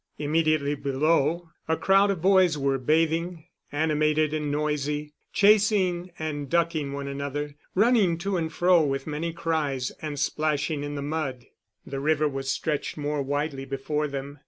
Immediately below, a crowd of boys were bathing, animated and noisy, chasing and ducking one another, running to and fro with many cries, and splashing in the mud. The river was stretched more widely before them.